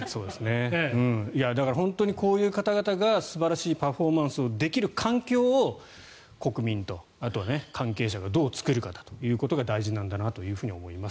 本当にこういう方々が素晴らしいパフォーマンスをできる環境を国民と、あとは関係者がどう作るかということが大事なんだなと思います。